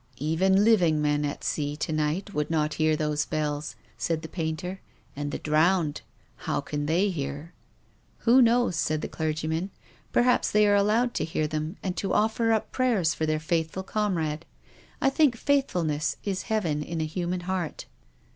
" Even living men at sea to night would not hear those bells," said the painter. " And the drowned — how can they hear ?"" Who knows ?" said the clergyman. " Perhaps they are allowed to hear them and to offer up prayers for their faithful comrade. I think faith fulness is heaven in a human heart."